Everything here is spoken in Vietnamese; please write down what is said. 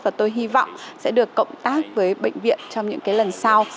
và tôi hy vọng sẽ được cộng tác với bệnh viện trong những lần sau